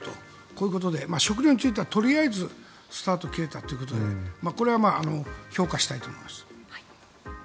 こういうことで食料についてはとりあえずスタートを切れたということでこれは評価したいと思います。